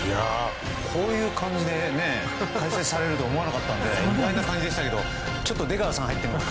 こういう感じで解説されると思わなかったので意外な感じがしたけどちょっと出川さん入ってる。